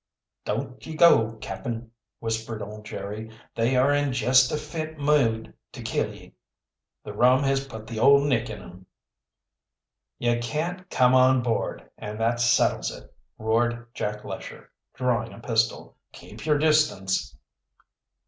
"Don't ye go, cap'n," whispered old Jerry. "They are in jest a fit mood to kill ye. The rum has put the Old Nick in 'em." "You can't come on board, and that settles it," roared Jack Lesher, drawing a pistol. "Keep your distance."